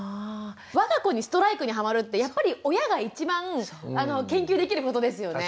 我が子にストライクにはまるってやっぱり親が一番研究できることですよね。